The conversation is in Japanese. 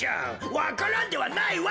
わか蘭ではないわい！